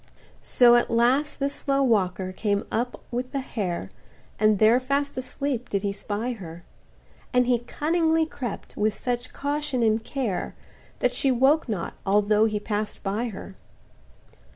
So at last this slow walker came up with the hare, And there fast asleep did he spy her; And he cunningly crept with such caution and care, That she woke not, although he pass'd by her.